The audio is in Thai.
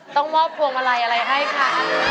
ต้องมอบพวงมาลัยอะไรให้ค่ะ